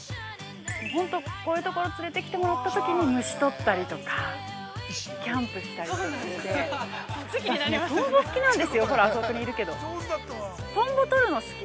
本当、こういう所、連れてきてもらったときに虫、とったりとかキャンプ来たりとかして、私、トンボ好きなんですよ。あそこにいるけど、トンボとるの好き。